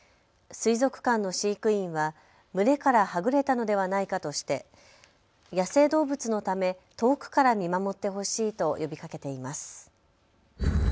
水族館の飼育員は群れからはぐれたのではないかとして野生動物のため遠くから見守ってほしいと呼びかけています。